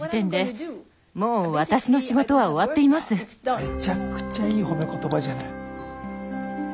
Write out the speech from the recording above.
めちゃくちゃいい褒め言葉じゃない！